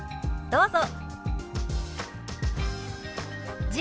どうぞ。